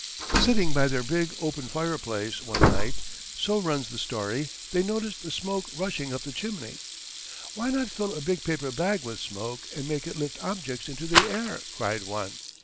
Sitting by their big open fireplace one night, so runs the story, they noticed the smoke rushing up the chimney. "Why not fill a big paper bag with smoke and make it lift objects into the air?" cried one.